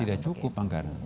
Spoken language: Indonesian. tidak cukup anggaran